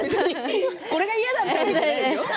これが嫌だったわけじゃないですよね。